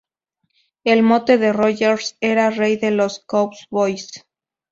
El mote de Rogers era "Rey de los Cowboys".